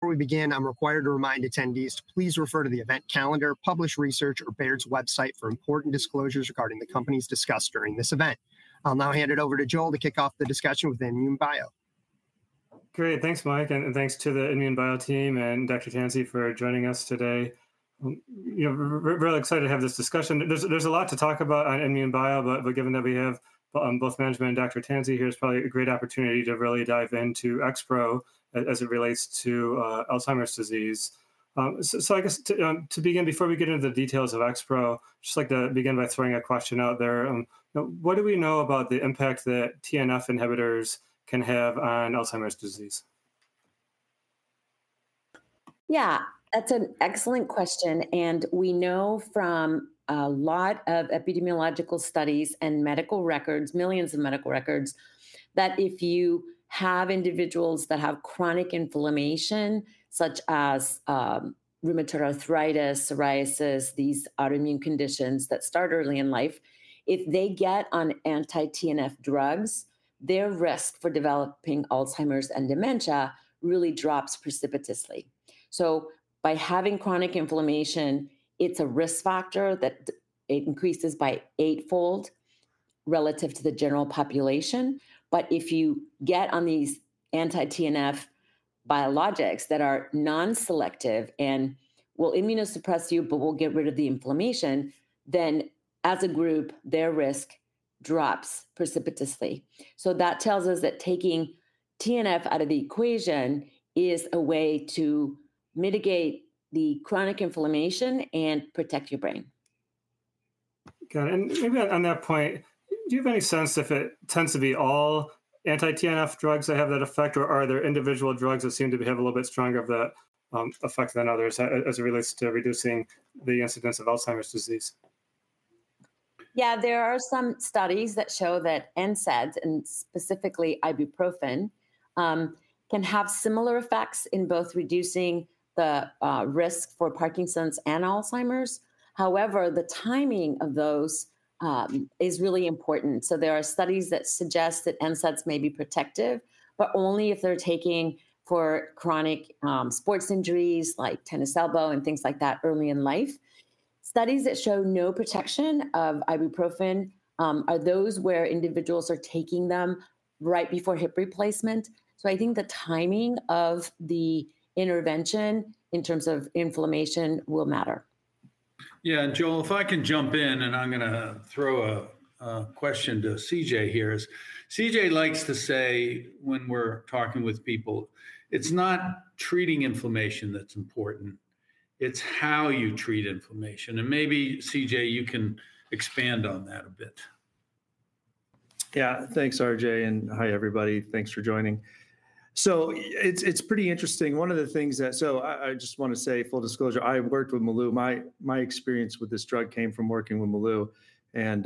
Before we begin, I'm required to remind attendees to please refer to the event calendar, published research, or Baird's website for important disclosures regarding the companies discussed during this event. I'll now hand it over to Joel to kick off the discussion with INmune Bio. Great. Thanks, Mike, and thanks to the INmune Bio team and Dr. Tansey for joining us today. You know, really excited to have this discussion. There's a lot to talk about on INmune Bio, but given that we have both management and Dr. Tansey here, it's probably a great opportunity to really dive into XPro as it relates to Alzheimer's disease. So I guess to begin, before we get into the details of XPro, just like to begin by throwing a question out there. What do we know about the impact that TNF inhibitors can have on Alzheimer's disease? Yeah, that's an excellent question, and we know from a lot of epidemiological studies and medical records, millions of medical records, that if you have individuals that have chronic inflammation, such as rheumatoid arthritis, psoriasis, these autoimmune conditions that start early in life, if they get on anti-TNF drugs, their risk for developing Alzheimer's and dementia really drops precipitously. So by having chronic inflammation, it's a risk factor that it increases by eightfold relative to the general population. But if you get on these anti-TNF biologics that are non-selective and will immunosuppress you, but will get rid of the inflammation, then as a group, their risk drops precipitously. So that tells us that taking TNF out of the equation is a way to mitigate the chronic inflammation and protect your brain. Got it. And maybe on that point, do you have any sense if it tends to be all anti-TNF drugs that have that effect, or are there individual drugs that seem to behave a little bit stronger of that effect than others as it relates to reducing the incidence of Alzheimer's disease? Yeah, there are some studies that show that NSAIDs, and specifically ibuprofen, can have similar effects in both reducing the risk for Parkinson's and Alzheimer's. However, the timing of those is really important. So there are studies that suggest that NSAIDs may be protective, but only if they're taking for chronic sports injuries, like tennis elbow and things like that, early in life. Studies that show no protection of ibuprofen are those where individuals are taking them right before hip replacement. So I think the timing of the intervention in terms of inflammation will matter. Yeah, and Joel, if I can jump in, and I'm gonna throw a question to CJ here, is CJ likes to say when we're talking with people, "It's not treating inflammation that's important, it's how you treat inflammation." And maybe, CJ, you can expand on that a bit. Yeah. Thanks, R.J., and hi, everybody. Thanks for joining. So it's pretty interesting. One of the things that... So I just want to say, full disclosure, I worked with Malu. My experience with this drug came from working with Malu, and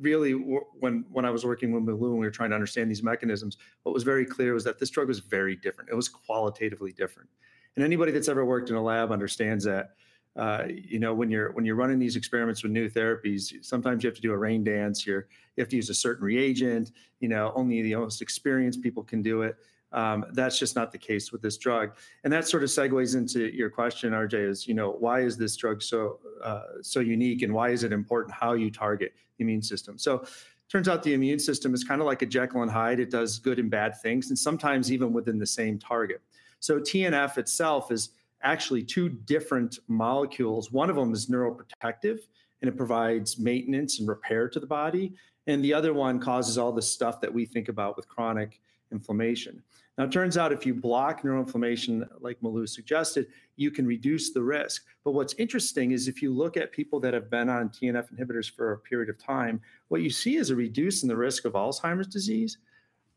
really, when I was working with Malu, and we were trying to understand these mechanisms, what was very clear was that this drug was very different. It was qualitatively different. And anybody that's ever worked in a lab understands that, you know, when you're running these experiments with new therapies, sometimes you have to do a rain dance. You have to use a certain reagent. You know, only the most experienced people can do it. That's just not the case with this drug. And that sort of segues into your question, R.J., you know, why is this drug so unique, and why is it important how you target the immune system? So turns out the immune system is kind of like a Jekyll and Hyde. It does good and bad things, and sometimes even within the same target. So TNF itself is actually two different molecules. One of them is neuroprotective, and it provides maintenance and repair to the body, and the other one causes all the stuff that we think about with chronic inflammation. Now, it turns out, if you block neuroinflammation, like Malu suggested, you can reduce the risk. But what's interesting is if you look at people that have been on TNF inhibitors for a period of time, what you see is a reduction in the risk of Alzheimer's disease,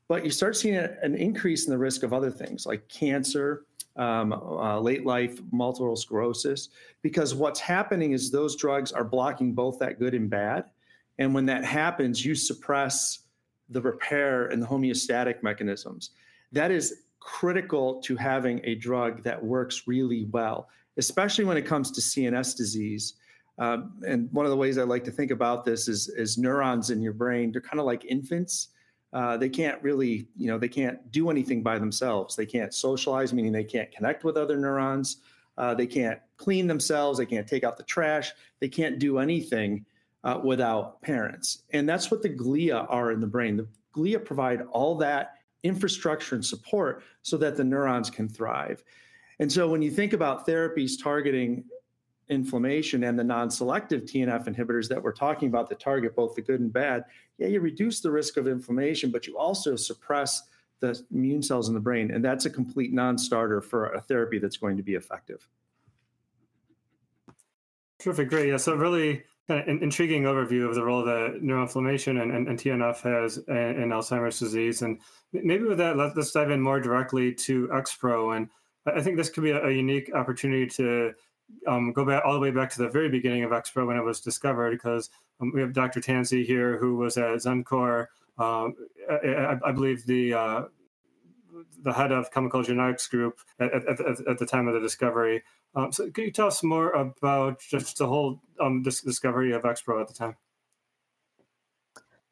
but you start seeing an increase in the risk of other things, like cancer, late life multiple sclerosis, because what's happening is those drugs are blocking both that good and bad, and when that happens, you suppress the repair and the homeostatic mechanisms. That is critical to having a drug that works really well, especially when it comes to CNS disease. And one of the ways I like to think about this is neurons in your brain, they're kind of like infants. They can't really... You know, they can't do anything by themselves. They can't socialize, meaning they can't connect with other neurons. They can't clean themselves, they can't take out the trash, they can't do anything without parents, and that's what the glia are in the brain. The glia provide all that infrastructure and support so that the neurons can thrive. And so when you think about therapies targeting inflammation and the non-selective TNF inhibitors that we're talking about, that target both the good and bad, yeah, you reduce the risk of inflammation, but you also suppress the immune cells in the brain, and that's a complete non-starter for a therapy that's going to be effective. Terrific. Great. Yeah, so really, an intriguing overview of the role that neuroinflammation and, and TNF has in Alzheimer's disease. And maybe with that, let's dive in more directly to XPro, and I, I think this could be a, a unique opportunity to go all the way back to the very beginning of XPro when it was discovered, because we have Dr. Tansey here, who was at Xencor, I, I, I believe the head of Chemical Genetics group at the time of the discovery. So can you tell us more about just the whole discovery of XPro at the time?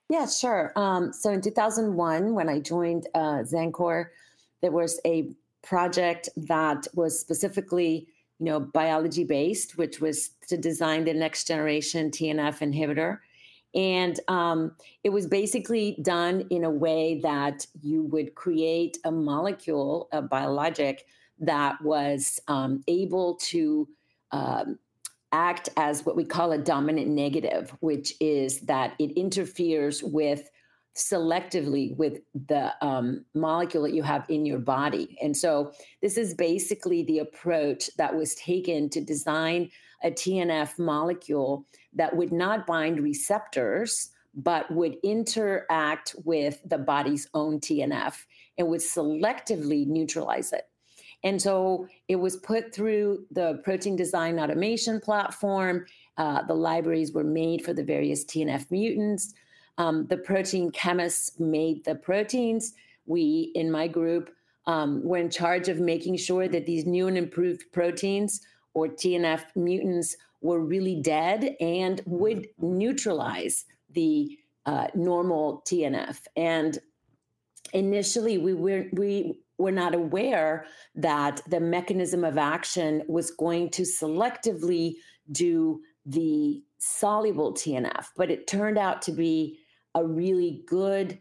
Yeah, sure. So in 2001, when I joined Xencor, there was a project that was specifically, you know, biology-based, which was to design the next generation TNF inhibitor. And it was basically done in a way that you would create a molecule, a biologic, that was able to act as what we call a dominant negative, which is that it interferes with selectively with the molecule that you have in your body. And so this is basically the approach that was taken to design a TNF molecule that would not bind receptors, but would interact with the body's own TNF and would selectively neutralize it. And so it was put through the Protein Design Automation platform. The libraries were made for the various TNF mutants. The protein chemists made the proteins. We, in my group, were in charge of making sure that these new and improved proteins or TNF mutants were really dead and would neutralize the normal TNF. And initially, we were not aware that the mechanism of action was going to selectively do the soluble TNF, but it turned out to be a really good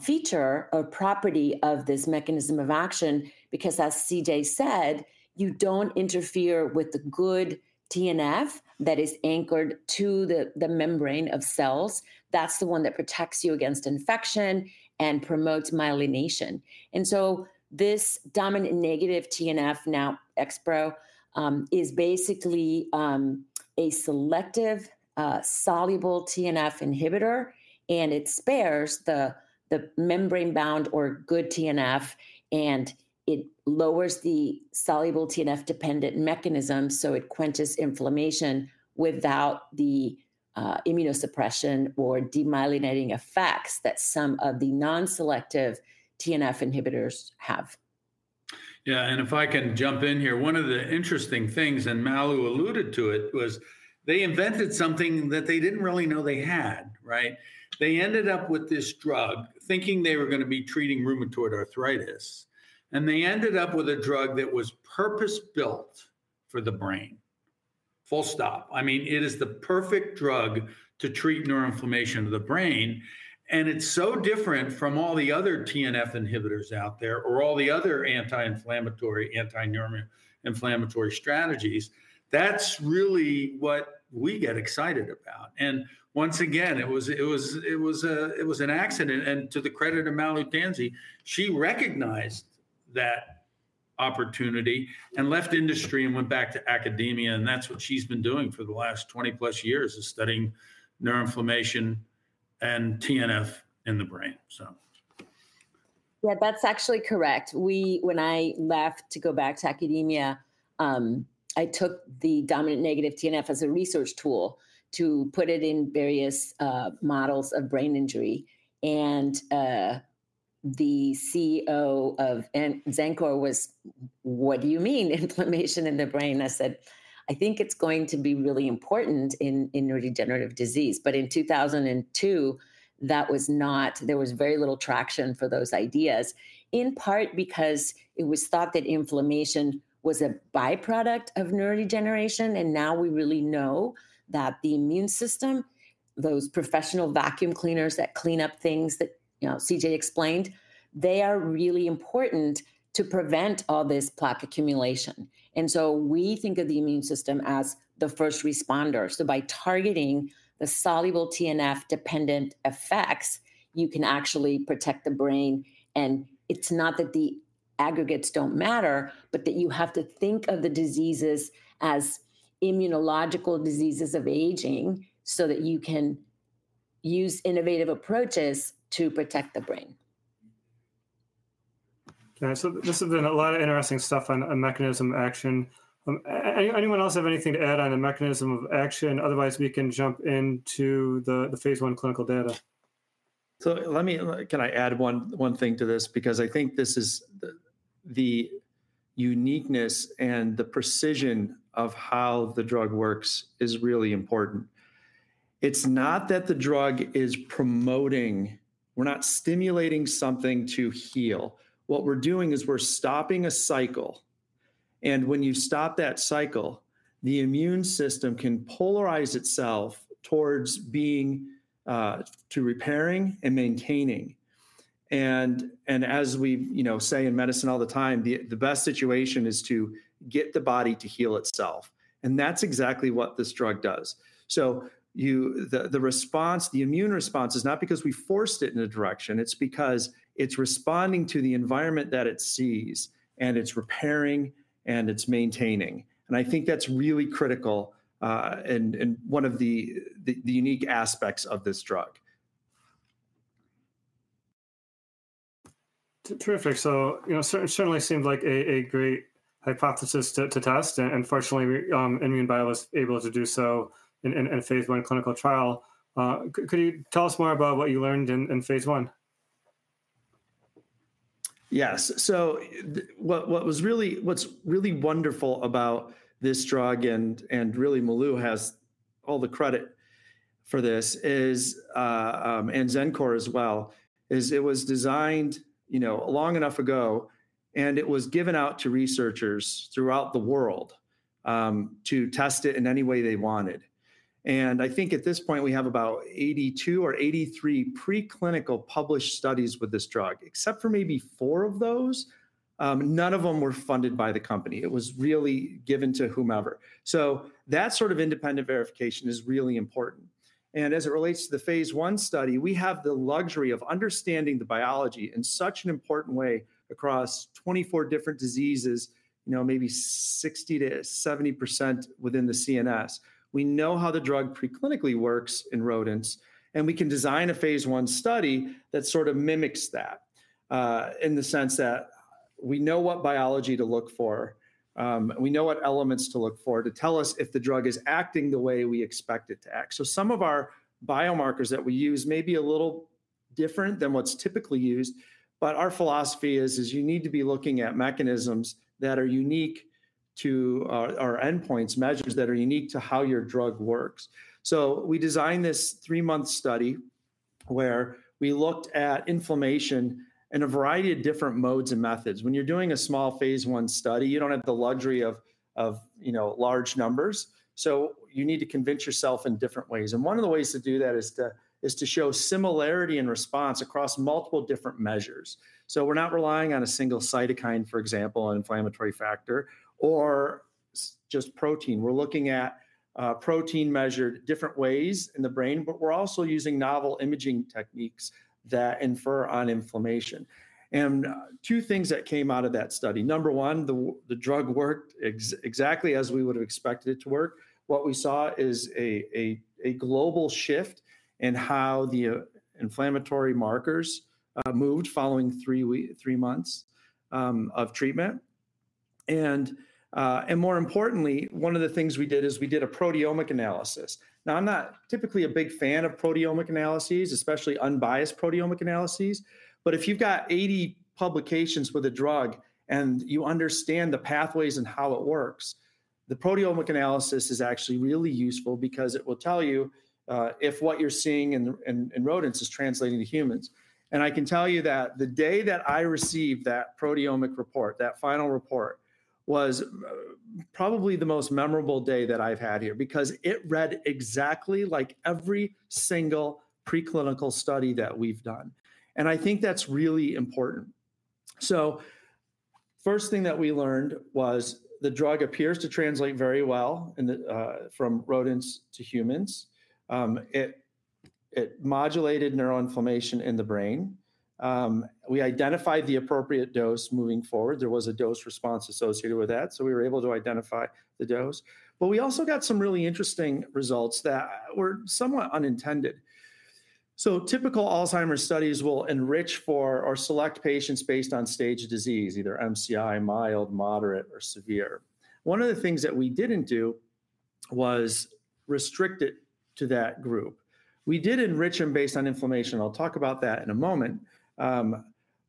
feature or property of this mechanism of action, because as CJ said, you don't interfere with the good TNF that is anchored to the membrane of cells, that's the one that protects you against infection and promotes myelination. This dominant negative TNF, now XPro, is basically a selective soluble TNF inhibitor, and it spares the membrane-bound or good TNF, and it lowers the soluble TNF-dependent mechanism, so it quenches inflammation without the immunosuppression or demyelinating effects that some of the non-selective TNF inhibitors have. Yeah, and if I can jump in here, one of the interesting things, and Malu alluded to it, was they invented something that they didn't really know they had, right? They ended up with this drug, thinking they were gonna be treating rheumatoid arthritis, and they ended up with a drug that was purpose-built for the brain. Full stop. I mean, it is the perfect drug to treat neuroinflammation of the brain, and it's so different from all the other TNF inhibitors out there or all the other anti-inflammatory, anti-neuroinflammatory strategies. That's really what we get excited about. And once again, it was an accident. To the credit of Malu Tansey, she recognized that opportunity and left industry and went back to academia, and that's what she's been doing for the last 20-plus years, is studying neuroinflammation and TNF in the brain, so. Yeah, that's actually correct. When I left to go back to academia, I took the dominant negative TNF as a research tool to put it in various models of brain injury. And the CEO of Xencor was, "What do you mean, inflammation in the brain?" I said, "I think it's going to be really important in neurodegenerative disease." But in 2002, that was not. There was very little traction for those ideas, in part because it was thought that inflammation was a by-product of neurodegeneration. And now we really know that the immune system, those professional vacuum cleaners that clean up things that, you know, CJ explained, they are really important to prevent all this plaque accumulation. And so we think of the immune system as the first responder. So by targeting the soluble TNF-dependent effects, you can actually protect the brain, and it's not that the aggregates don't matter, but that you have to think of the diseases as immunological diseases of aging, so that you can use innovative approaches to protect the brain. Okay, so this has been a lot of interesting stuff on the mechanism of action. Anyone else have anything to add on the mechanism of action? Otherwise, we can jump into the phase I clinical data. So let me... Can I add one thing to this? Because I think this is the uniqueness and the precision of how the drug works is really important. It's not that the drug is promoting... We're not stimulating something to heal. What we're doing is we're stopping a cycle, and when you stop that cycle, the immune system can polarize itself towards being to repairing and maintaining. And as we, you know, say in medicine all the time, the best situation is to get the body to heal itself, and that's exactly what this drug does. So you... The response, the immune response is not because we forced it in a direction, it's because it's responding to the environment that it sees, and it's repairing, and it's maintaining. I think that's really critical, and one of the unique aspects of this drug. Terrific. So, you know, certainly seems like a great hypothesis to test, and fortunately, we, INmune Bio was able to do so in a phase I clinical trial. Could you tell us more about what you learned in phase I? Yes. So what was really, what's really wonderful about this drug and really Malu has all the credit for this, and Xencor as well, is it was designed, you know, long enough ago, and it was given out to researchers throughout the world to test it in any way they wanted. And I think at this point we have about 82 or 83 preclinical published studies with this drug. Except for maybe four of those, none of them were funded by the company. It was really given to whomever. So that sort of independent verification is really important. And as it relates to the Phase I study, we have the luxury of understanding the biology in such an important way across 24 different diseases, you know, maybe 60%-70% within the CNS. We know how the drug preclinically works in rodents, and we can design a Phase I study that sort of mimics that, in the sense that we know what biology to look for, we know what elements to look for to tell us if the drug is acting the way we expect it to act. So some of our biomarkers that we use may be a little different than what's typically used, but our philosophy is, is you need to be looking at mechanisms that are unique to, or endpoints, measures that are unique to how your drug works. So we designed this three-month study where we looked at inflammation in a variety of different modes and methods. When you're doing a small Phase I study, you don't have the luxury of, of, you know, large numbers, so you need to convince yourself in different ways. And one of the ways to do that is to show similarity in response across multiple different measures. So we're not relying on a single cytokine, for example, an inflammatory factor or just protein. We're looking at protein measured different ways in the brain, but we're also using novel imaging techniques that infer on inflammation. And two things that came out of that study. Number one, the drug worked exactly as we would have expected it to work. What we saw is a global shift in how the inflammatory markers moved following three months of treatment. And more importantly, one of the things we did is we did a proteomic analysis. Now, I'm not typically a big fan of proteomic analyses, especially unbiased proteomic analyses, but if you've got 80 publications with a drug and you understand the pathways and how it works, the proteomic analysis is actually really useful because it will tell you if what you're seeing in rodents is translating to humans. I can tell you that the day that I received that proteomic report, that final report, was probably the most memorable day that I've had here, because it read exactly like every single preclinical study that we've done, and I think that's really important. First thing that we learned was the drug appears to translate very well from rodents to humans. It modulated neuroinflammation in the brain. We identified the appropriate dose moving forward. There was a dose response associated with that, so we were able to identify the dose. But we also got some really interesting results that were somewhat unintended. So typical Alzheimer's studies will enrich for or select patients based on stage of disease, either MCI, mild, moderate, or severe. One of the things that we didn't do was restrict it to that group. We did enrich them based on inflammation. I'll talk about that in a moment.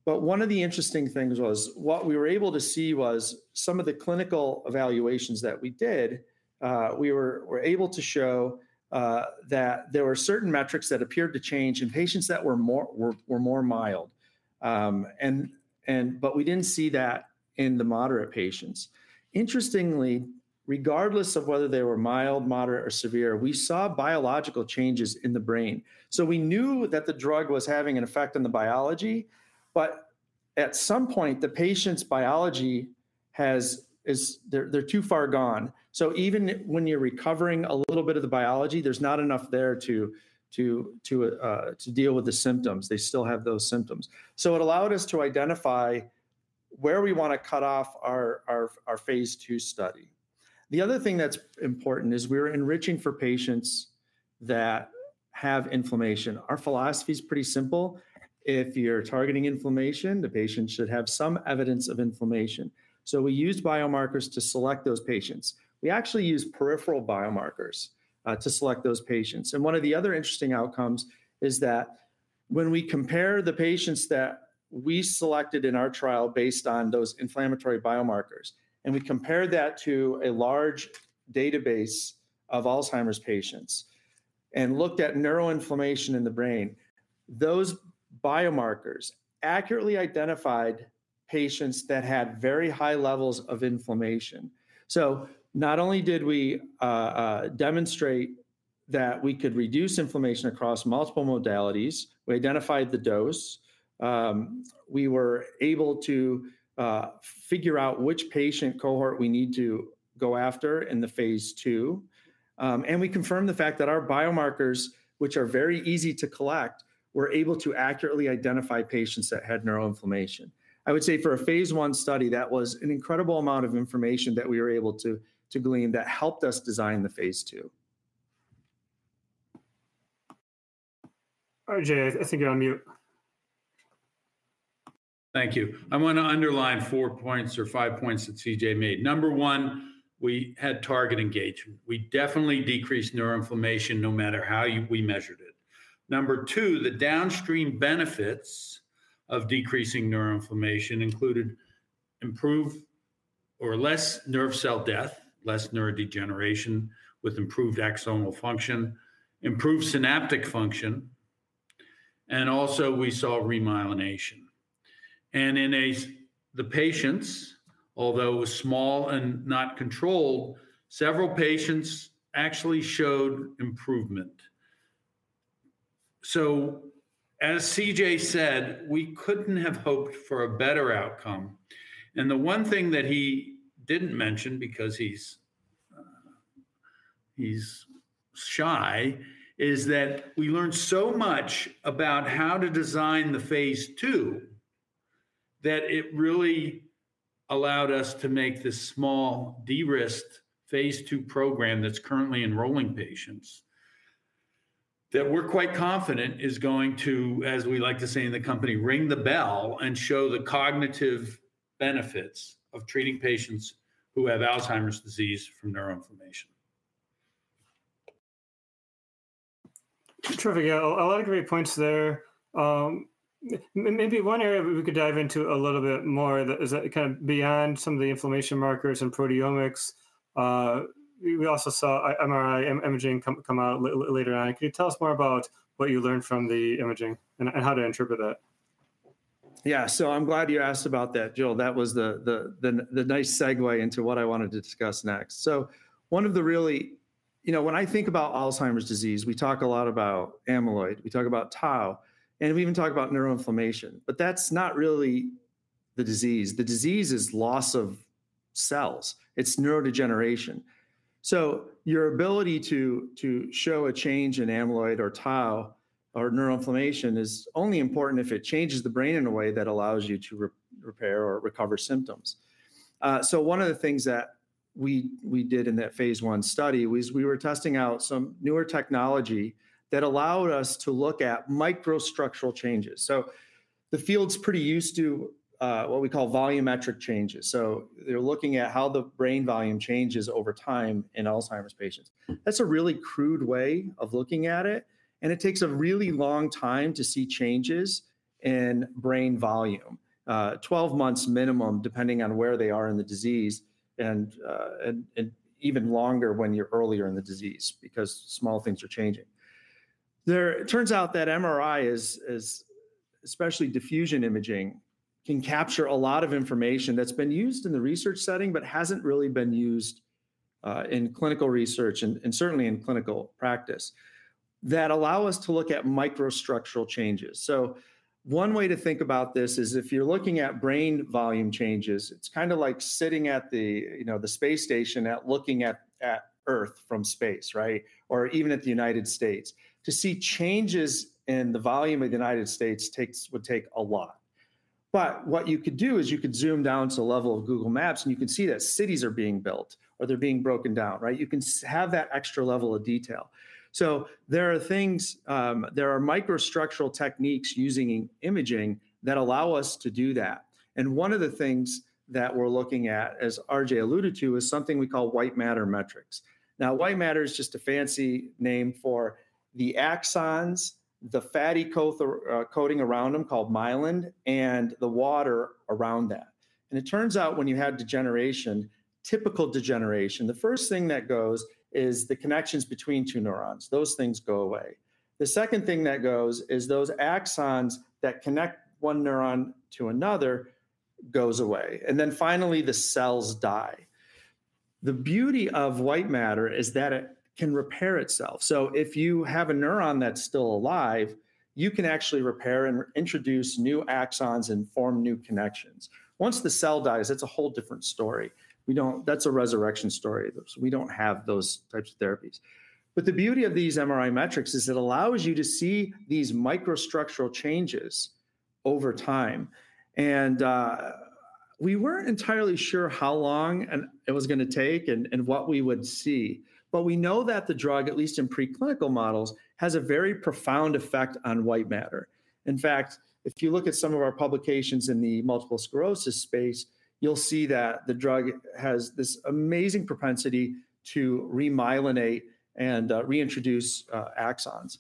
But one of the interesting things was, what we were able to see was some of the clinical evaluations that we did, we were able to show, that there were certain metrics that appeared to change in patients that were more mild. But we didn't see that in the moderate patients. Interestingly, regardless of whether they were mild, moderate, or severe, we saw biological changes in the brain. So we knew that the drug was having an effect on the biology, but at some point, the patient's biology has... they're too far gone. So even when you're recovering a little bit of the biology, there's not enough there to deal with the symptoms. They still have those symptoms. So it allowed us to identify where we wanna cut off our Phase II study. The other thing that's important is we're enriching for patients that have inflammation. Our philosophy is pretty simple: If you're targeting inflammation, the patient should have some evidence of inflammation. So we used biomarkers to select those patients. We actually used peripheral biomarkers to select those patients. One of the other interesting outcomes is that when we compare the patients that we selected in our trial based on those inflammatory biomarkers, and we compared that to a large database of Alzheimer's patients and looked at neuroinflammation in the brain, those biomarkers accurately identified patients that had very high levels of inflammation. Not only did we demonstrate that we could reduce inflammation across multiple modalities, we identified the dose, we were able to figure out which patient cohort we need to go after in the Phase II, and we confirmed the fact that our biomarkers, which are very easy to collect, were able to accurately identify patients that had neuroinflammation. I would say for a Phase I study, that was an incredible amount of information that we were able to glean that helped us design the Phase II. R.J., I think you're on mute. Thank you. I wanna underline four points or five points that CJ made. Number one, we had target engagement. We definitely decreased neuroinflammation, no matter how we measured it.... Number two, the downstream benefits of decreasing neuroinflammation included improved or less nerve cell death, less neurodegeneration with improved axonal function, improved synaptic function, and also we saw remyelination. And in the patients, although it was small and not controlled, several patients actually showed improvement. So as CJ said, we couldn't have hoped for a better outcome, and the one thing that he didn't mention because he's, he's shy, is that we learned so much about how to design the Phase II, that it really allowed us to make this small, de-risked Phase II program that's currently enrolling patients, that we're quite confident is going to, as we like to say in the company, ring the bell and show the cognitive benefits of treating patients who have Alzheimer's disease from neuroinflammation. Terrific. Yeah, a lot of great points there. Maybe one area we could dive into a little bit more that is kind of beyond some of the inflammation markers and proteomics. We also saw MRI imaging come out later on. Can you tell us more about what you learned from the imaging and how to interpret it? Yeah. So I'm glad you asked about that, Joel. That was the nice segue into what I wanted to discuss next. So one of the really... You know, when I think about Alzheimer's disease, we talk a lot about amyloid, we talk about tau, and we even talk about neuroinflammation, but that's not really the disease. The disease is loss of cells. It's neurodegeneration. So your ability to show a change in amyloid or tau or neuroinflammation is only important if it changes the brain in a way that allows you to repair or recover symptoms. So one of the things that we did in that Phase I study was we were testing out some newer technology that allowed us to look at microstructural changes. So the field's pretty used to what we call volumetric changes, so they're looking at how the brain volume changes over time in Alzheimer's patients. That's a really crude way of looking at it, and it takes a really long time to see changes in brain volume. 12 months minimum, depending on where they are in the disease, and even longer when you're earlier in the disease because small things are changing. It turns out that MRI, especially diffusion imaging, can capture a lot of information that's been used in the research setting, but hasn't really been used in clinical research and certainly in clinical practice, that allow us to look at microstructural changes. So one way to think about this is, if you're looking at brain volume changes, it's kind of like sitting at the space station looking at Earth from space, right? Or even at the United States. To see changes in the volume of the United States would take a lot. But what you could do is you could zoom down to the level of Google Maps, and you can see that cities are being built or they're being broken down, right? You can have that extra level of detail. So there are things, there are microstructural techniques using imaging that allow us to do that. And one of the things that we're looking at, as RJ alluded to, is something we call white matter metrics. Now, white matter is just a fancy name for the axons, the fatty coating around them, called myelin, and the water around that. It turns out, when you have degeneration, typical degeneration, the first thing that goes is the connections between two neurons. Those things go away. The second thing that goes is those axons that connect one neuron to another, goes away. Then finally, the cells die. The beauty of white matter is that it can repair itself. So if you have a neuron that's still alive, you can actually repair and introduce new axons and form new connections. Once the cell dies, it's a whole different story. We don't. That's a resurrection story. We don't have those types of therapies. But the beauty of these MRI metrics is it allows you to see these microstructural changes over time. We weren't entirely sure how long it was gonna take and what we would see, but we know that the drug, at least in preclinical models, has a very profound effect on white matter. In fact, if you look at some of our publications in the multiple sclerosis space, you'll see that the drug has this amazing propensity to remyelinate and reintroduce axons.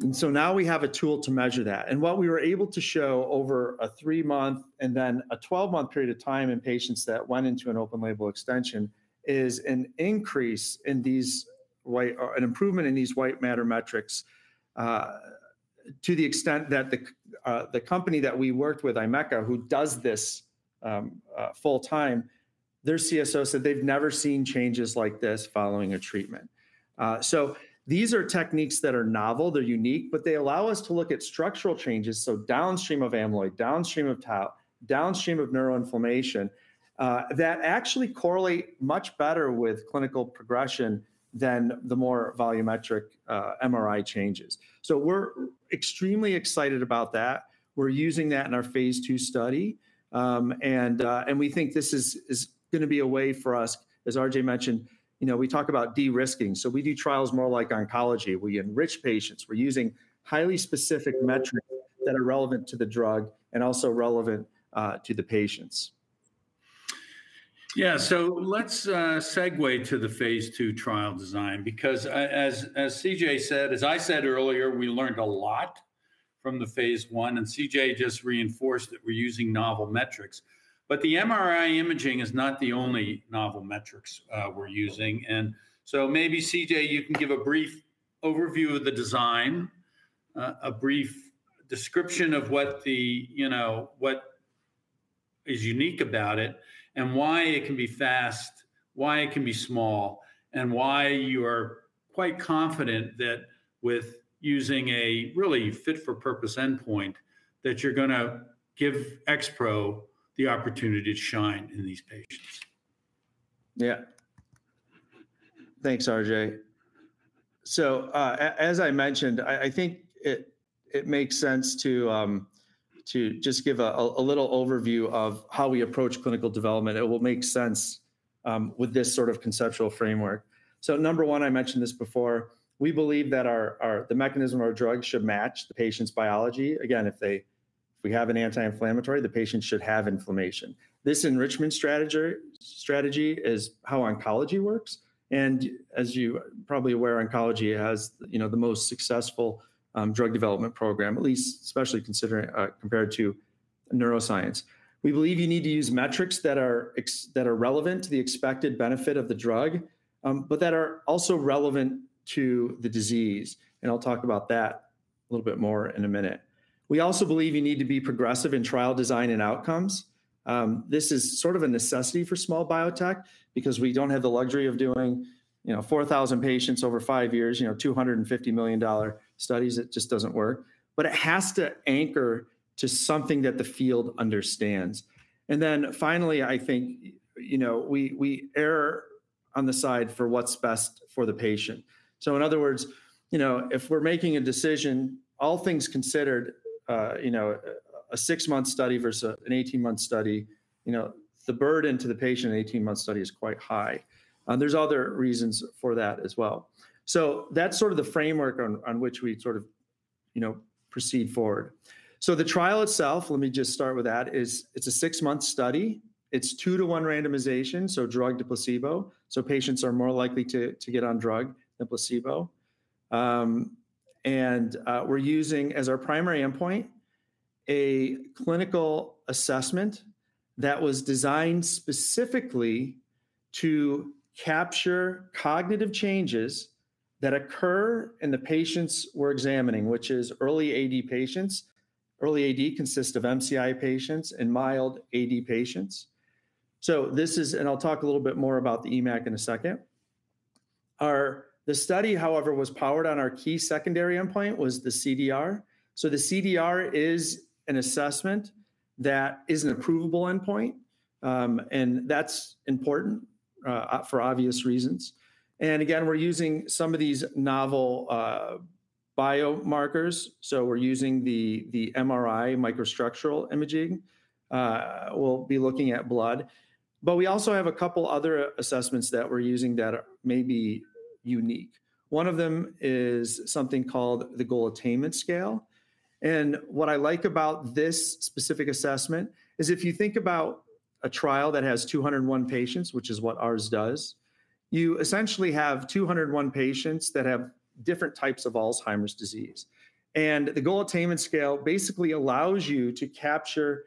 And so now we have a tool to measure that. And what we were able to show over a 3-month and then a 12-month period of time in patients that went into an open label extension, is an increase in these white... or an improvement in these white matter metrics, to the extent that the company that we worked with, Imeka, who does this full time, their CSO said they've never seen changes like this following a treatment. So these are techniques that are novel, they're unique, but they allow us to look at structural changes, so downstream of amyloid, downstream of tau, downstream of neuroinflammation, that actually correlate much better with clinical progression than the more volumetric MRI changes. So we're extremely excited about that. We're using that in our Phase II study. And we think this is gonna be a way for us, as R.J. mentioned, you know, we talk about de-risking, so we do trials more like oncology. We enrich patients. We're using highly specific metrics that are relevant to the drug and also relevant to the patients. Yeah, so let's segue to the phase II trial design, because as, as CJ said, as I said earlier, we learned a lot from the phase I, and CJ just reinforced that we're using novel metrics. But the MRI imaging is not the only novel metrics we're using. And so maybe, CJ, you can give a brief overview of the design, a brief description of what the, you know, what is unique about it, and why it can be fast, why it can be small, and why you are quite confident that with using a really fit-for-purpose endpoint, that you're gonna give XPro the opportunity to shine in these patients. Yeah. Thanks, R.J. So, as I mentioned, I think it makes sense to just give a little overview of how we approach clinical development. It will make sense with this sort of conceptual framework. So number one, I mentioned this before, we believe that the mechanism of our drug should match the patient's biology. Again, if we have an anti-inflammatory, the patient should have inflammation. This enrichment strategy is how oncology works, and as you're probably aware, oncology has, you know, the most successful drug development program, at least especially considering compared to neuroscience. We believe you need to use metrics that are relevant to the expected benefit of the drug, but that are also relevant to the disease, and I'll talk about that a little bit more in a minute. We also believe you need to be progressive in trial design and outcomes. This is sort of a necessity for small biotech because we don't have the luxury of doing, you know, 4,000 patients over 5 years, you know, $250 million studies. It just doesn't work. But it has to anchor to something that the field understands. And then finally, I think, you know, we, we err on the side for what's best for the patient. So in other words, you know, if we're making a decision, all things considered, you know, a 6-month study versus an 18-month study, you know, the burden to the patient in an 18-month study is quite high. And there's other reasons for that as well. So that's sort of the framework on which we sort of, you know, proceed forward. So the trial itself, let me just start with that, is. It's a 6-month study. It's 2-to-1 randomization, so drug to placebo, so patients are more likely to get on drug than placebo. And we're using, as our primary endpoint, a clinical assessment that was designed specifically to capture cognitive changes that occur in the patients we're examining, which is early AD patients. Early AD consists of MCI patients and mild AD patients. So this is... I'll talk a little bit more about the EMACC in a second. The study, however, was powered on our key secondary endpoint, the CDR. The CDR is an assessment that is an approvable endpoint, and that's important for obvious reasons. Again, we're using some of these novel biomarkers, so we're using the MRI microstructural imaging. We'll be looking at blood. But we also have a couple other assessments that we're using that are maybe unique. One of them is something called the Goal Attainment Scale, and what I like about this specific assessment is, if you think about a trial that has 201 patients, which is what ours does, you essentially have 201 patients that have different types of Alzheimer's disease. The Goal Attainment Scale basically allows you to capture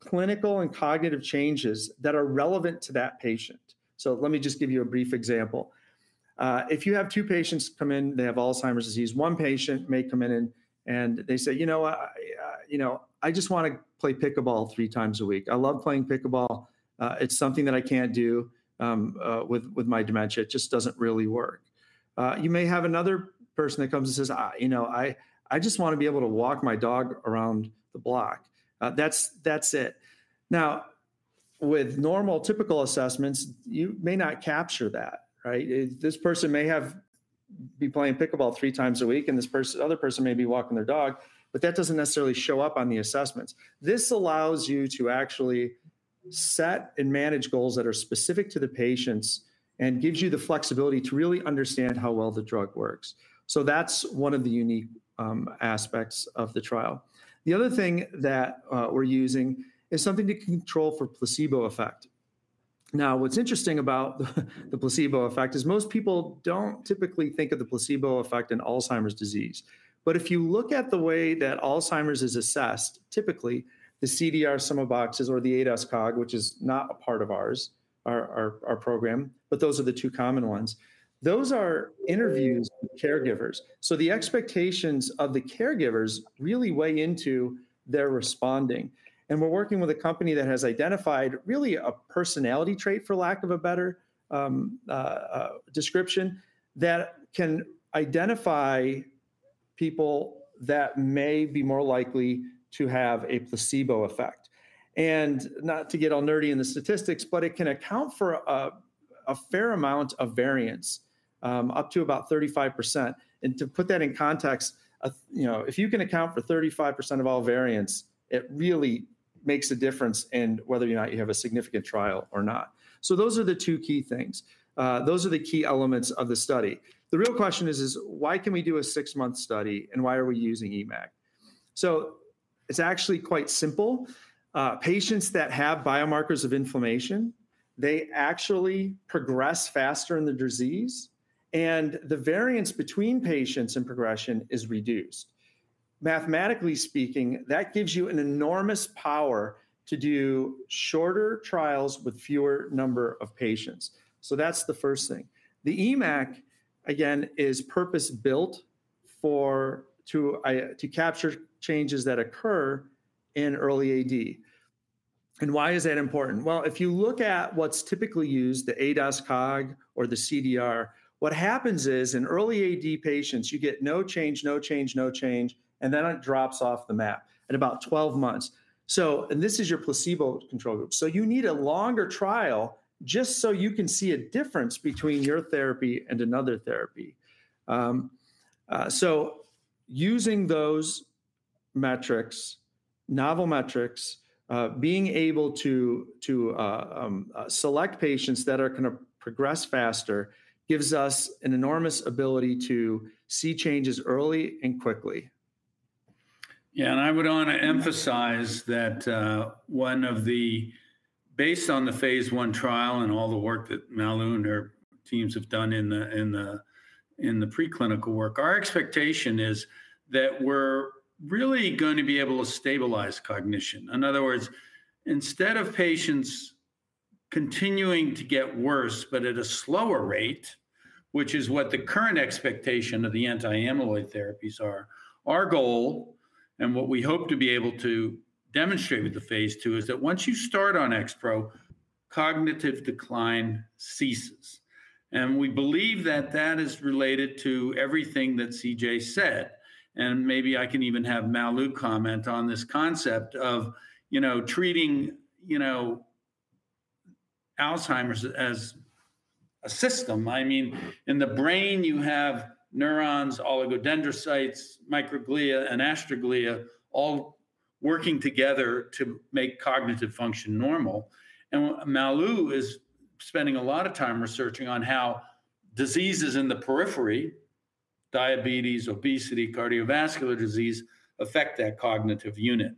clinical and cognitive changes that are relevant to that patient. So let me just give you a brief example. If you have two patients come in, they have Alzheimer's disease. One patient may come in and they say: "You know, you know, I just wanna play pickleball three times a week. I love playing pickleball. It's something that I can't do with my dementia. It just doesn't really work." You may have another person that comes and says: "I you know, I just wanna be able to walk my dog around the block. That's it." Now, with normal, typical assessments, you may not capture that, right? This person may be playing pickleball 3 times a week, and this other person may be walking their dog, but that doesn't necessarily show up on the assessments. This allows you to actually set and manage goals that are specific to the patients and gives you the flexibility to really understand how well the drug works. So that's one of the unique aspects of the trial. The other thing that we're using is something to control for placebo effect. Now, what's interesting about the placebo effect is most people don't typically think of the placebo effect in Alzheimer's disease. But if you look at the way that Alzheimer's is assessed, typically, the CDR Sum of Boxes or the ADAS-Cog, which is not a part of our program, but those are the two common ones, those are interviews with caregivers. So the expectations of the caregivers really weigh into their responding, and we're working with a company that has identified really a personality trait, for lack of a better description, that can identify people that may be more likely to have a placebo effect. And not to get all nerdy in the statistics, but it can account for a fair amount of variance, up to about 35%. And to put that in context, you know, if you can account for 35% of all variance, it really makes a difference in whether or not you have a significant trial or not. So those are the two key things. Those are the key elements of the study. The real question is: why can we do a six-month study, and why are we using EMACC? So it's actually quite simple. Patients that have biomarkers of inflammation, they actually progress faster in the disease, and the variance between patients and progression is reduced. Mathematically speaking, that gives you an enormous power to do shorter trials with fewer number of patients. So that's the first thing. The EMACC, again, is purpose-built for, to capture changes that occur in early AD. And why is that important? Well, if you look at what's typically used, the ADAS-Cog or the CDR, what happens is, in early AD patients, you get no change, no change, no change, and then it drops off the map at about 12 months. So... This is your placebo control group. So you need a longer trial just so you can see a difference between your therapy and another therapy. So using those metrics, novel metrics, being able to select patients that are gonna progress faster, gives us an enormous ability to see changes early and quickly. Yeah, and I would wanna emphasize that, based on the Phase I trial and all the work that Malu and her teams have done in the preclinical work, our expectation is that we're really going to be able to stabilize cognition. In other words, instead of patients continuing to get worse, but at a slower rate, which is what the current expectation of the anti-amyloid therapies are, our goal and what we hope to be able to demonstrate with the Phase II, is that once you start on XPro, cognitive decline ceases. And we believe that that is related to everything that CJ said, and maybe I can even have Malu comment on this concept of, you know, treating, you know, Alzheimer's as a system. I mean, in the brain, you have neurons, oligodendrocytes, microglia, and astroglia all working together to make cognitive function normal, and Malu is spending a lot of time researching on how diseases in the periphery, diabetes, obesity, cardiovascular disease, affect that cognitive unit.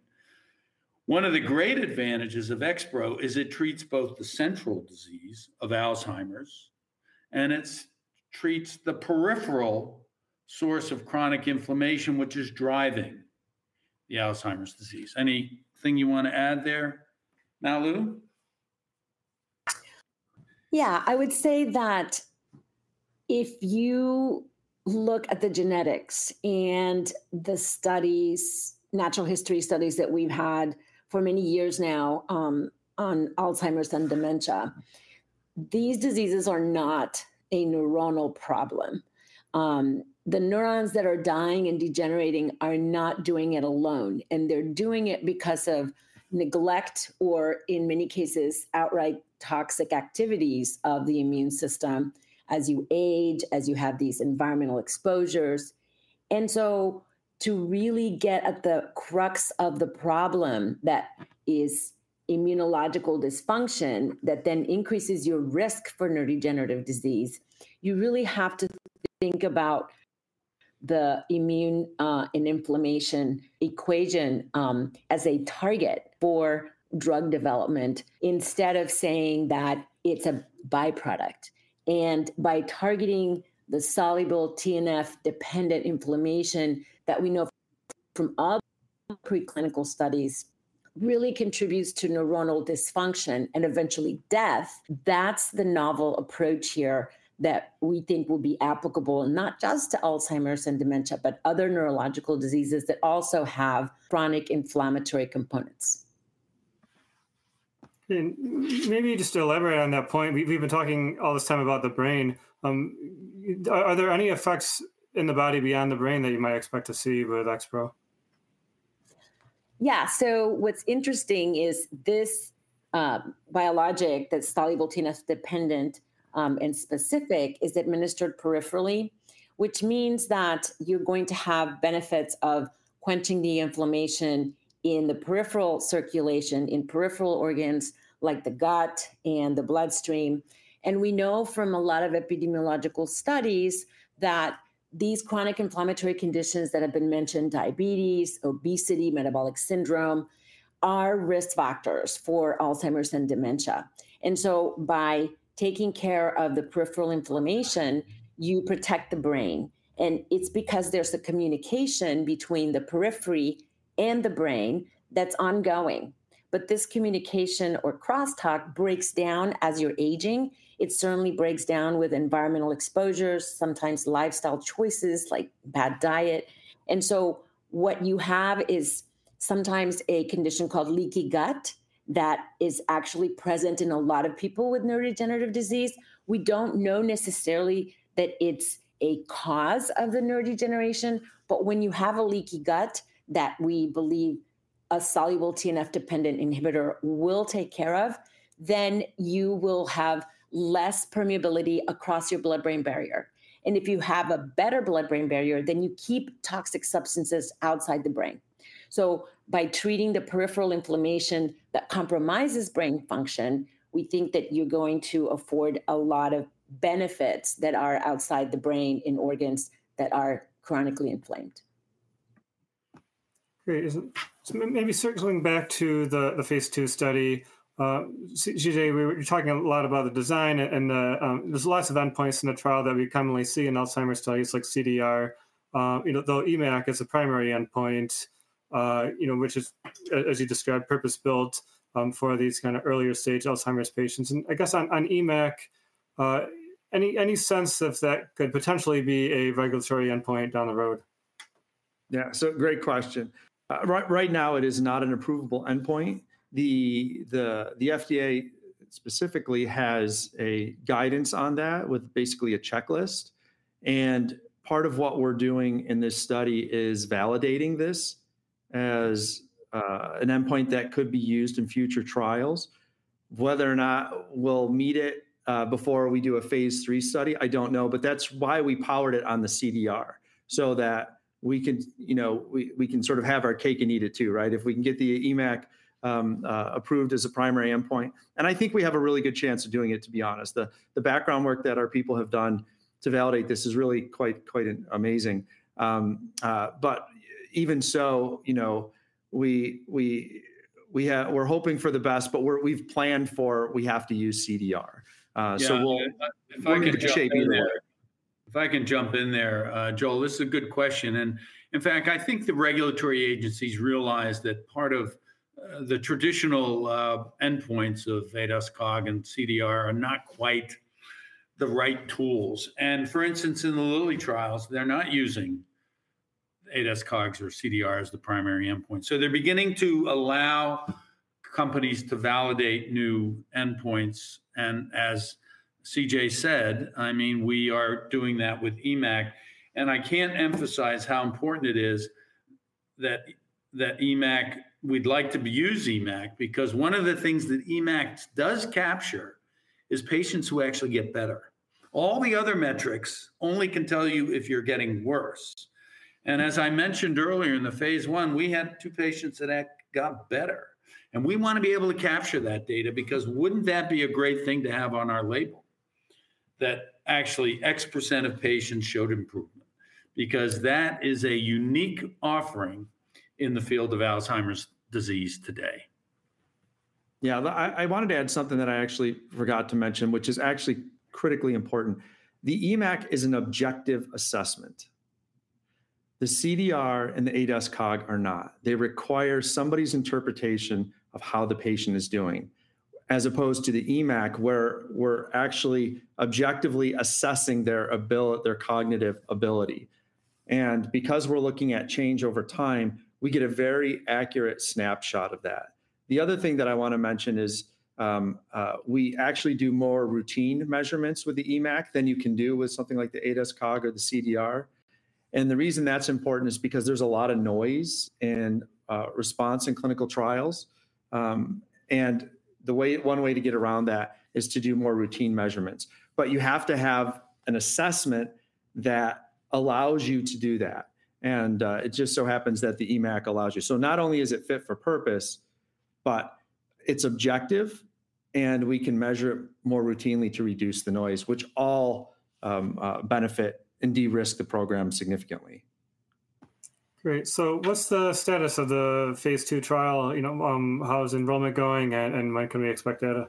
One of the great advantages of XPro is it treats both the central disease of Alzheimer's, and it treats the peripheral source of chronic inflammation, which is driving the Alzheimer's disease. Anything you want to add there, Malu? Yeah, I would say that if you look at the genetics and the studies, natural history studies that we've had for many years now, on Alzheimer's and dementia, these diseases are not a neuronal problem. The neurons that are dying and degenerating are not doing it alone, and they're doing it because of neglect or, in many cases, outright toxic activities of the immune system as you age, as you have these environmental exposures. And so to really get at the crux of the problem, that is immunological dysfunction, that then increases your risk for neurodegenerative disease, you really have to think about the immune, and inflammation equation, as a target for drug development, instead of saying that it's a by-product. By targeting the soluble TNF-dependent inflammation that we know from other preclinical studies really contributes to neuronal dysfunction and eventually death, that's the novel approach here that we think will be applicable, not just to Alzheimer's and dementia, but other neurological diseases that also have chronic inflammatory components. Maybe just to elaborate on that point, we've been talking all this time about the brain. Are there any effects in the body beyond the brain that you might expect to see with XPro? Yeah. So what's interesting is this, biologic, that soluble TNF-dependent, and specific, is administered peripherally, which means that you're going to have benefits of quenching the inflammation in the peripheral circulation, in peripheral organs, like the gut and the bloodstream. And we know from a lot of epidemiological studies, that these chronic inflammatory conditions that have been mentioned, diabetes, obesity, metabolic syndrome, are risk factors for Alzheimer's and dementia. And so by taking care of the peripheral inflammation, you protect the brain, and it's because there's a communication between the periphery and the brain that's ongoing. But this communication or crosstalk breaks down as you're aging. It certainly breaks down with environmental exposures, sometimes lifestyle choices, like bad diet. And so what you have is sometimes a condition called leaky gut, that is actually present in a lot of people with neurodegenerative disease. We don't know necessarily that it's a cause of the neurodegeneration, but when you have a leaky gut that we believe a soluble TNF-dependent inhibitor will take care of, then you will have less permeability across your blood-brain barrier. And if you have a better blood-brain barrier, then you keep toxic substances outside the brain. So by treating the peripheral inflammation that compromises brain function, we think that you're going to afford a lot of benefits that are outside the brain in organs that are chronically inflamed. Great. So maybe circling back to the Phase II study, CJ, you were talking a lot about the design and the... There's lots of endpoints in the trial that we commonly see in Alzheimer's studies, like CDR. You know, though EMACC is a primary endpoint, you know, which is, as you described, purpose-built for these kind of earlier stage Alzheimer's patients. And I guess on EMACC, any sense if that could potentially be a regulatory endpoint down the road? Yeah, so great question. Right, right now, it is not an approvable endpoint. The FDA specifically has a guidance on that, with basically a checklist, and part of what we're doing in this study is validating this as an endpoint that could be used in future trials. Whether or not we'll meet it before we do a Phase III study, I don't know, but that's why we powered it on the CDR. So that we could, you know, we can sort of have our cake and eat it, too, right? If we can get the EMACC approved as a primary endpoint, and I think we have a really good chance of doing it, to be honest. The background work that our people have done to validate this is really quite an amazing... But even so, you know, we're hoping for the best, but we've planned for—we have to use CDR. So we'll- Yeah, if I can jump in there- We're in good shape either way. If I can jump in there, Joel, this is a good question. In fact, I think the regulatory agencies realize that part of the traditional endpoints of ADAS-Cog and CDR are not quite the right tools. For instance, in the Lilly trials, they're not using ADAS-Cog or CDR as the primary endpoint. So they're beginning to allow companies to validate new endpoints, and as CJ said, I mean, we are doing that with EMACC. I can't emphasize how important it is that EMACC. We'd like to use EMACC, because one of the things that EMACC does capture is patients who actually get better. All the other metrics only can tell you if you're getting worse, and as I mentioned earlier, in the Phase I, we had two patients that got better, and we wanna be able to capture that data, because wouldn't that be a great thing to have on our label? That actually, X% of patients showed improvement, because that is a unique offering in the field of Alzheimer's disease today. Yeah, I wanted to add something that I actually forgot to mention, which is actually critically important. The EMACC is an objective assessment. The CDR and the ADAS-Cog are not. They require somebody's interpretation of how the patient is doing, as opposed to the EMACC, where we're actually objectively assessing their cognitive ability. And because we're looking at change over time, we get a very accurate snapshot of that. The other thing that I wanna mention is, we actually do more routine measurements with the EMACC than you can do with something like the ADAS-Cog or the CDR. And the reason that's important is because there's a lot of noise in response in clinical trials. One way to get around that is to do more routine measurements, but you have to have an assessment that allows you to do that, and it just so happens that the EMACC allows you. So not only is it fit for purpose, but it's objective, and we can measure it more routinely to reduce the noise, which all benefit and de-risk the program significantly. Great. So what's the status of the Phase II trial? You know, how is enrollment going, and, and when can we expect data?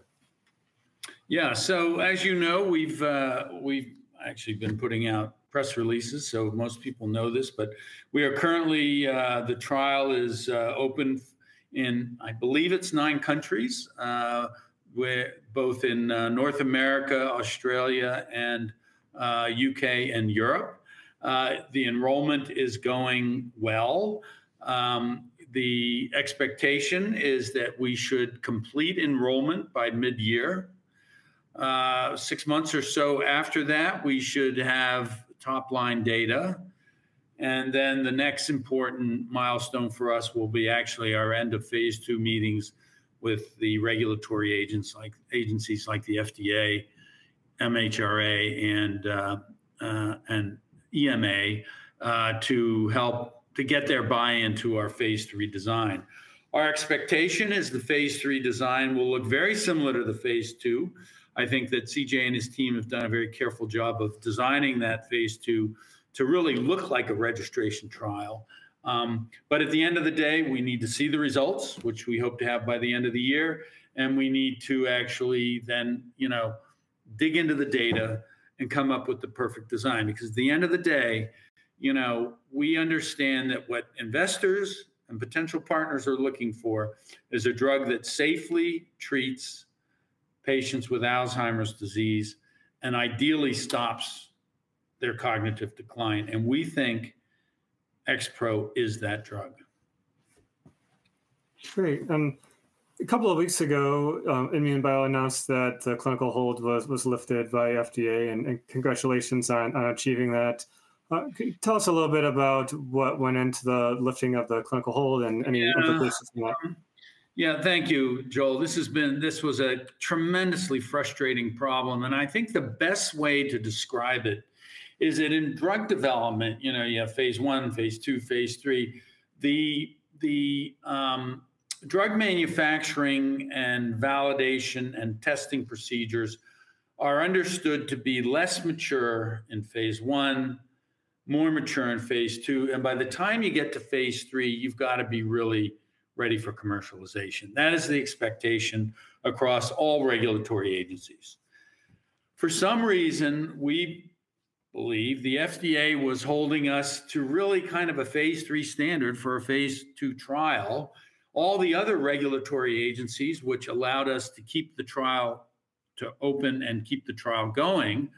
Yeah. So, as you know, we've actually been putting out press releases, so most people know this, but we are currently. The trial is open in, I believe, 9 countries. We're both in North America, Australia, and U.K., and Europe. The enrollment is going well. The expectation is that we should complete enrollment by mid-year. Six months or so after that, we should have top-line data, and then the next important milestone for us will be actually our end of Phase II meetings with the regulatory agencies, like the FDA, MHRA, and EMA, to help to get their buy-in to our Phase III design. Our expectation is the Phase III design will look very similar to the Phase II. I think that CJ and his team have done a very careful job of designing that Phase II to really look like a registration trial. But at the end of the day, we need to see the results, which we hope to have by the end of the year, and we need to actually then, you know, dig into the data and come up with the perfect design. Because at the end of the day, you know, we understand that what investors and potential partners are looking for is a drug that safely treats patients with Alzheimer's disease and ideally stops their cognitive decline, and we think XPro is that drug. Great. A couple of weeks ago, INmune Bio announced that the clinical hold was lifted by FDA, and congratulations on achieving that. Tell us a little bit about what went into the lifting of the clinical hold, and any- Uh-... implications and what? Yeah. Thank you, Joel. This has been. This was a tremendously frustrating problem, and I think the best way to describe it is that in drug development, you know, you have Phase I, Phase II, Phase III.... drug manufacturing and validation and testing procedures are understood to be less mature in Phase I, more mature in Phase II, and by the time you get to Phase III, you've got to be really ready for commercialization. That is the expectation across all regulatory agencies. For some reason, we believe the FDA was holding us to really kind of a Phase III standard for a Phase II trial. All the other regulatory agencies, which allowed us to keep the trial to open and keep the trial going,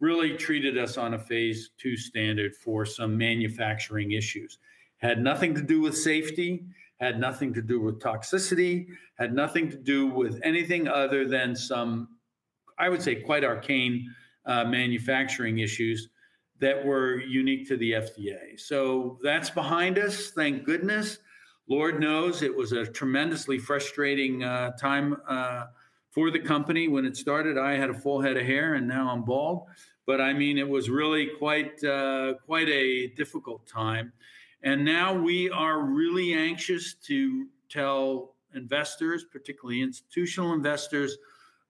really treated us on a Phase II standard for some manufacturing issues. Had nothing to do with safety, had nothing to do with toxicity, had nothing to do with anything other than some, I would say, quite arcane manufacturing issues that were unique to the FDA. So that's behind us, thank goodness. Lord knows, it was a tremendously frustrating time for the company. When it started, I had a full head of hair, and now I'm bald. But, I mean, it was really quite quite a difficult time, and now we are really anxious to tell investors, particularly institutional investors,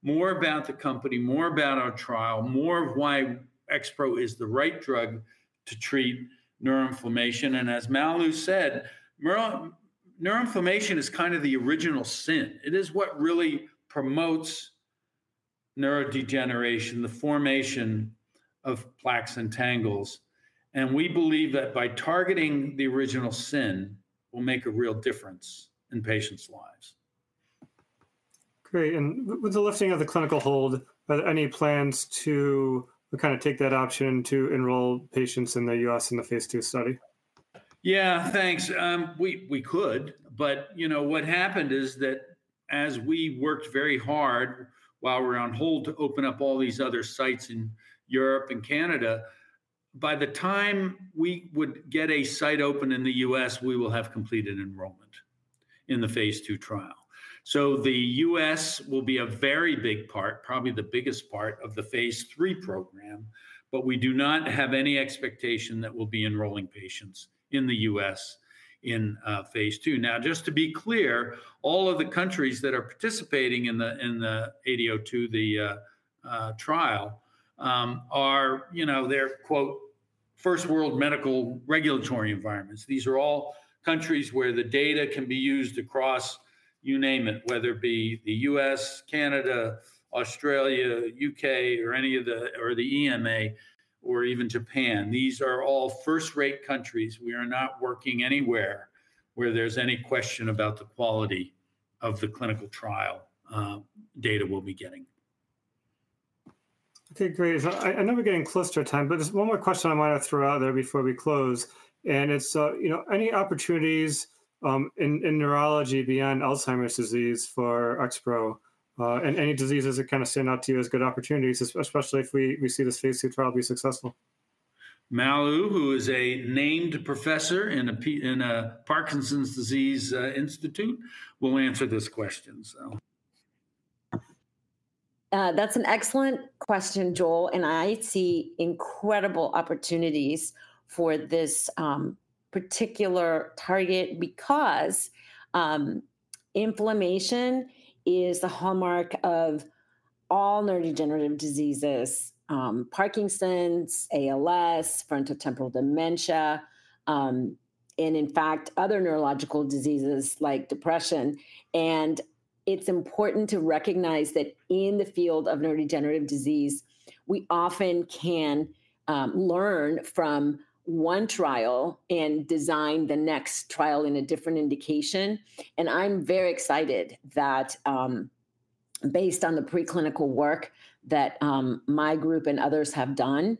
more about the company, more about our trial, more of why XPro is the right drug to treat neuroinflammation. And as Malu said, neuroinflammation is kind of the original sin. It is what really promotes neurodegeneration, the formation of plaques and tangles, and we believe that by targeting the original sin, we'll make a real difference in patients' lives. Great. And with the lifting of the clinical hold, are there any plans to kind of take that option to enroll patients in the U.S. in the Phase II study? Yeah, thanks. We could, but, you know, what happened is that as we worked very hard while we were on hold to open up all these other sites in Europe and Canada, by the time we would get a site open in the U.S., we will have completed enrollment in the Phase II trial. So the U.S. will be a very big part, probably the biggest part of the Phase III program, but we do not have any expectation that we'll be enrolling patients in the U.S. in Phase II. Now, just to be clear, all of the countries that are participating in the AD02 trial are, you know, they're, quote, "first-world medical regulatory environments." These are all countries where the data can be used across you name it, whether it be the U.S., Canada, Australia, U.K., or any of the... or the EMA or even Japan. These are all first-rate countries. We are not working anywhere where there's any question about the quality of the clinical trial, data we'll be getting. Okay, great. I know we're getting close to our time, but there's one more question I wanted to throw out there before we close, and it's, you know, any opportunities in neurology beyond Alzheimer's disease for XPro, and any diseases that kind of stand out to you as good opportunities, especially if we see the Phase II trial be successful? Malu, who is a named professor in a Parkinson’s disease institute, will answer this question, so... That's an excellent question, Joel, and I see incredible opportunities for this particular target because inflammation is the hallmark of all neurodegenerative diseases, Parkinson's, ALS, frontotemporal dementia, and in fact, other neurological diseases like depression. And it's important to recognize that in the field of neurodegenerative disease, we often can learn from one trial and design the next trial in a different indication. And I'm very excited that, based on the preclinical work that my group and others have done,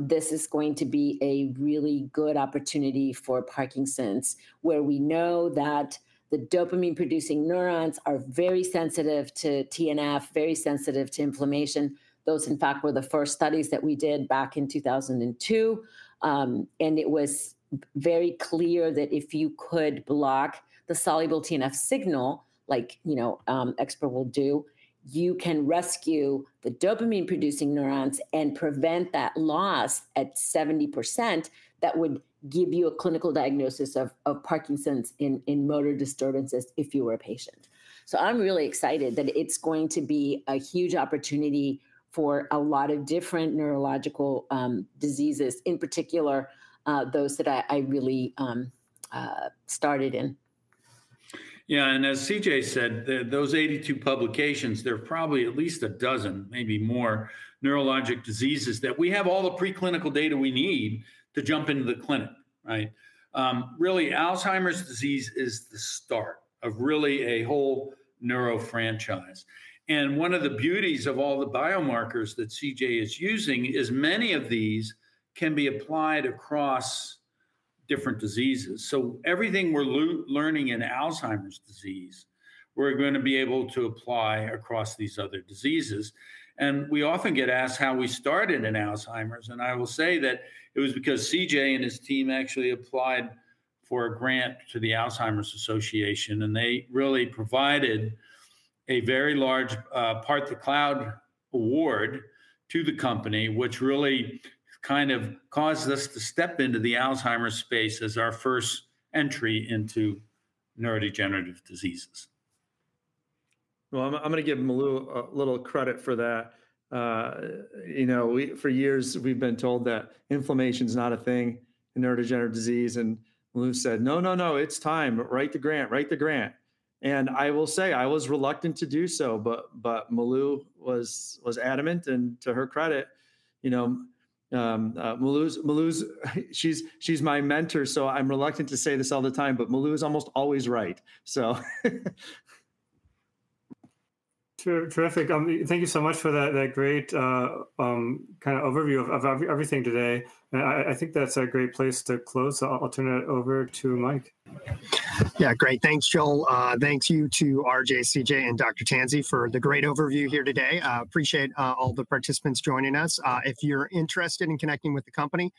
this is going to be a really good opportunity for Parkinson's, where we know that the dopamine-producing neurons are very sensitive to TNF, very sensitive to inflammation. Those, in fact, were the first studies that we did back in 2002. And it was very clear that if you could block the soluble TNF signal, like, you know, XPro will do, you can rescue the dopamine-producing neurons and prevent that loss at 70%. That would give you a clinical diagnosis of Parkinson's in motor disturbances if you were a patient. So I'm really excited that it's going to be a huge opportunity for a lot of different neurological diseases, in particular, those that I really started in. Yeah, and as CJ said, those 82 publications, they're probably at least 12, maybe more, neurologic diseases that we have all the preclinical data we need to jump into the clinic, right? Really, Alzheimer's disease is the start of really a whole neuro franchise. And one of the beauties of all the biomarkers that CJ is using is many of these can be applied across different diseases. So everything we're learning in Alzheimer's disease, we're gonna be able to apply across these other diseases. We often get asked how we started in Alzheimer's, and I will say that it was because CJ and his team actually applied for a grant to the Alzheimer's Association, and they really provided a very large Part the Cloud award to the company, which really kind of caused us to step into the Alzheimer's space as our first entry into neurodegenerative diseases. Well, I'm gonna give Malu a little credit for that. You know, for years, we've been told that inflammation's not a thing in neurodegenerative disease, and Malu said, "No, no, no, it's time. Write the grant, write the grant." I will say, I was reluctant to do so, but Malu was adamant, and to her credit, you know, Malu's, she's my mentor, so I'm reluctant to say this all the time, but Malu is almost always right, so... Terrific. Thank you so much for that great kind of overview of everything today. And I think that's a great place to close. I'll turn it over to Mike. Yeah, great. Thanks, Joel. Thank you to RJ, CJ, and Dr. Tansey for the great overview here today. Appreciate all the participants joining us. If you're interested in connecting with the company,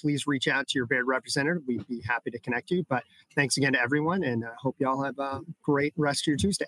please reach out to your Baird representative. We'd be happy to connect you. But thanks again to everyone, and hope you all have a great rest of your Tuesday.